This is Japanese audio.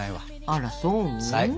あらそう？